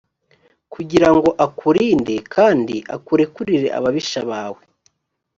kugira ngo akurinde kandi akurekurire ababisha bawe.